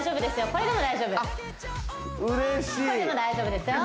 これでも大丈夫ですよ